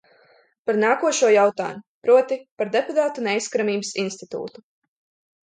Par nākošo jautājumu, proti, par deputātu neaizskaramības institūtu.